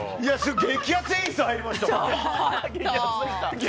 激熱演出が入りましたもん。